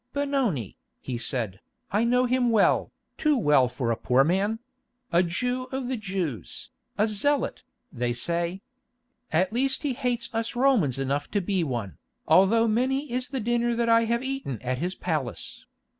"Benoni," he said, "I know him well, too well for a poor man!—a Jew of the Jews, a Zealot, they say. At least he hates us Romans enough to be one, although many is the dinner that I have eaten at his palace.